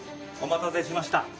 お待たせしました。